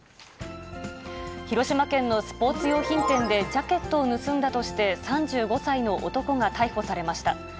広島県のスポーツ用品店でジャケットを盗んだとして、３５歳の男が逮捕されました。